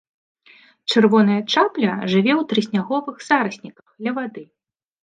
Чырвоная чапля жыве ў трысняговых зарасніках ля вады.